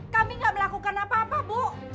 kami nggak melakukan apa apa bu